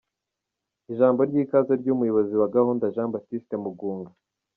Ijambo ry’ikaze ry’umuyobozi wa gahunda Jean Baptiste Mugunga